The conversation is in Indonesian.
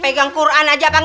pegang quran aja bang